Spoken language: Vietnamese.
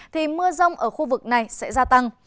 thì mưa rông ở khu vực này sẽ gia tăng